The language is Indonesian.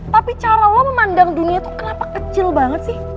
tapi cara lo memandang dunia itu kenapa kecil banget sih